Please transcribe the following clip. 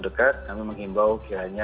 dekat kami mengimbau kiranya